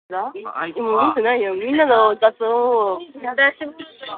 He was buried at the Friends Burying Ground in Trenton, New Jersey.